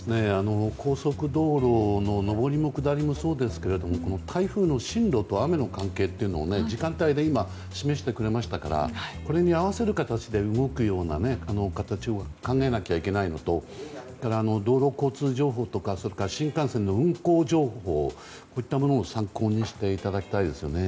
高速道路の上りも下りもそうですけど台風の進路と雨の関係というのを時間帯で今示してくれましたからこれに合わせる形で動くような形を考えなきゃいけないのと道路交通情報とか新幹線の運行情報そういったものを参考にしていただきたいですよね。